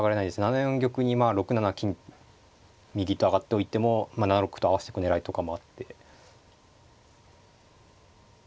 ７四玉に６七金右と上がっといても７六歩と合わせてく狙いとかもあって。